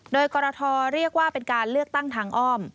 โดยกรทเรียกว่าเป็นการเลือกตั้งทางอ้อม